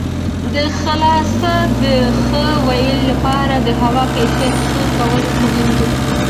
د حاصل د ښه والي لپاره د هوا کیفیت ښه کول مهم دي.